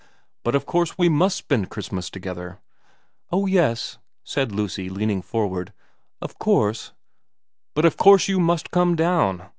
' But of course we must spend Christmas together.' ' Oh yes,' said Lucy, leaning forward, ' of course ' But of course you must come down.